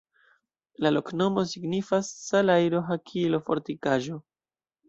La loknomo signifas: salajro-hakilo-fortikaĵo.